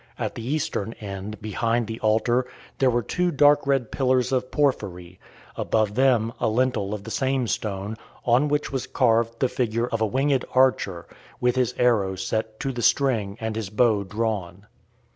At the eastern end, behind the altar, there were two dark red pillars of porphyry; above them a lintel of the same stone, on which was carved the figure of a winged archer, with his arrow set to the string and his bow drawn.